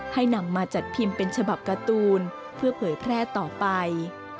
ให้นำมาจัดพิมพ์เป็นฉบับการ์ตูนเพื่อเผยแพร่ต่อไป